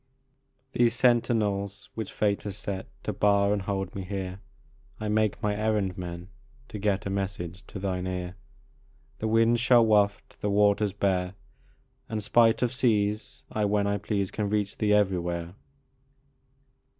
These sentinels which Fate has set To bar and hold me here I make my errand men, to get A message to thine ear. The winds shall waft, the waters bear, And spite of seas I, when I please, Can reach thee everywhere.